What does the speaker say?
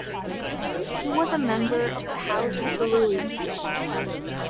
He was a member of the house of Tolui.